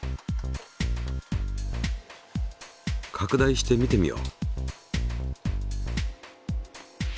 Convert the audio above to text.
拡大して見てみよう。